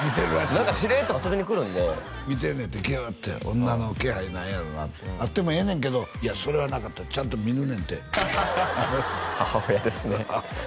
何かしれっと遊びに来るんで見てんねんてギューッて女の気配ないやろなあってもええねんけどそれはなかったちゃんと見るねんて母親ですね